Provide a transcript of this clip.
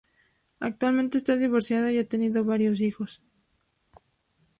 Actualmente está divorciada y ha tenido varios hijos.